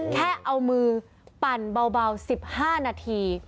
แค่เอามือปั่นเบา๑๕นาที